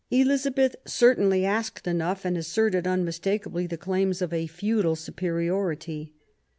Elizabeth certainly asked enough and asserted un mistakably the claims of a feudal superiority.